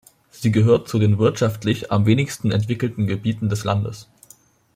Sie gehört zu den wirtschaftlich am wenigsten entwickelten Gebieten des Landes.